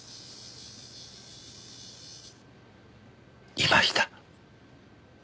いました。